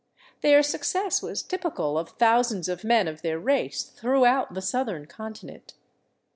Their success was typical of thousands of men of their race throughout the southern continent.